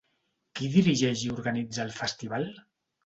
Qui dirigeix i organitza el festival?